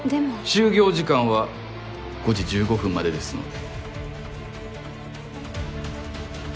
就業時間は５時１５分までですので。